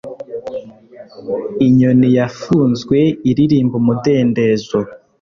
Inyoni yafunzwe iririmba umudendezo